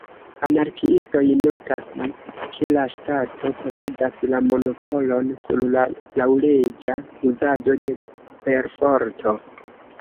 Anarkiistoj notas ke la ŝtato posedas la monopolon sur la laŭleĝa uzado de perforto.